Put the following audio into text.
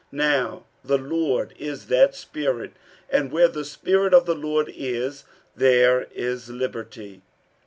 47:003:017 Now the Lord is that Spirit: and where the Spirit of the Lord is, there is liberty.